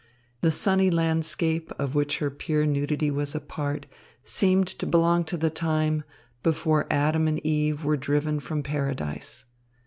The sunny landscape, of which her pure nudity was a part, seemed to belong to the time before Adam and Eve were driven from Paradise.